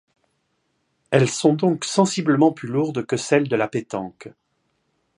Elles sont donc sensiblement plus lourdes que celles de la pétanque.